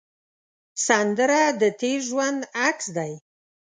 سندره د تېر ژوند عکس دی